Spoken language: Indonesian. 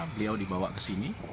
beliau dibawa ke sini